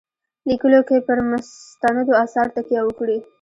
لیکلو کې پر مستندو آثارو تکیه وکړي.